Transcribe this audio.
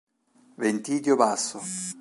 Ventidio Basso